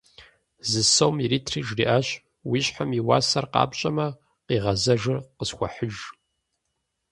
Зы сом иритри жриӏащ: «Уи щхьэм и уасэр къапщӏэмэ, къигъэзэжыр къысхуэхьыж».